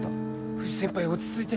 藤先輩落ち着いて！